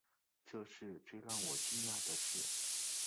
这是最让我惊讶的事